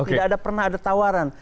tidak pernah ada tawaran